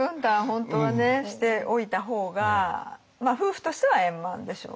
本当はねしておいた方が夫婦としては円満でしょうね。